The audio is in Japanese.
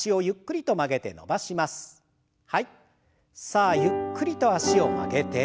さあゆっくりと脚を曲げて。